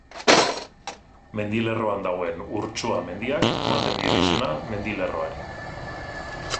Mendilerroan dagoen Urtsua mendiak ematen dio izena mendilerroari.